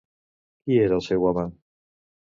Qui era el seu home?